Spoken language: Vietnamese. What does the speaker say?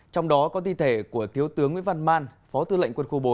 trong đó có thi thể của thiếu tướng nguyễn văn man